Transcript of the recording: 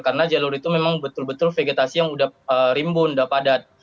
karena jalur itu memang betul betul vegetasi yang udah rimbu udah padat